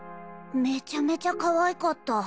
めちゃめちゃかわいかった。